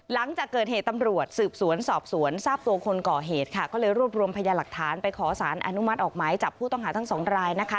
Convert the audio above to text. หลังจากเกิดเหตุตำรวจสืบสวนสอบสวนทราบตัวคนก่อเหตุค่ะก็เลยรวบรวมพยาหลักฐานไปขอสารอนุมัติออกหมายจับผู้ต้องหาทั้งสองรายนะคะ